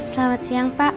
selamat siang pak